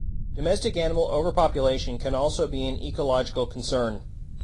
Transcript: Domestic animal overpopulation can also be an ecological concern.